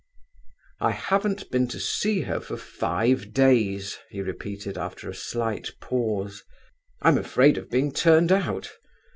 "I haven't been to see her for five days," he repeated, after a slight pause. "I'm afraid of being turned out.